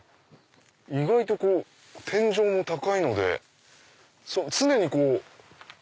意外と天井も高いので常にこう。